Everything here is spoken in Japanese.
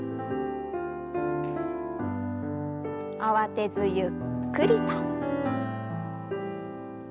慌てずゆっくりと。